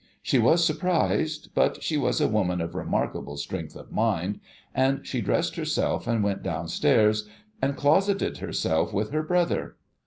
She was surprised ; but she was a woman of remarkable strength of mind, and she dressed herself and went downstairs, and closeted herself with her brother.